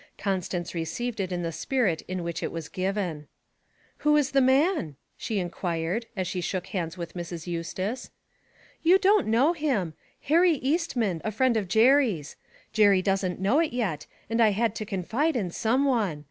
Constance received it in the spirit in which it was given. 'Who's the man?' she inquired, as she shook hands with Mrs. Eustace. 'You don't know him Harry Eastman, a friend of Jerry's. Jerry doesn't know it yet, and I had to confide in some one.